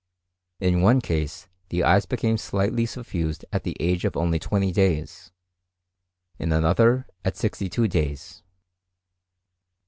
In one case, the eyes became slightly suffused at the age of only 20 days; in another, at 62 days.